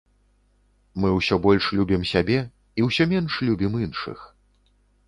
Мы ўсё больш любім сябе, і усё менш любім іншых.